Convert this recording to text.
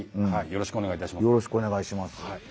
よろしくお願いします。